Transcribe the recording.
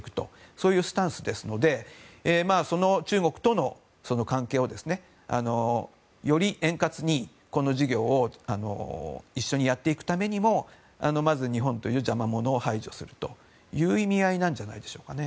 そういうスタンスですのでその中国との関係をより円滑にこの事業を一緒にやっていくためにもまず日本という邪魔者を排除するという意味合いじゃないでしょうか。